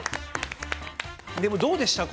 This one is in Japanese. でもどうでした？